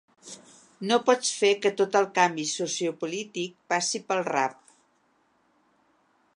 No pots fer que tot el canvi sociopolític passi pel rap.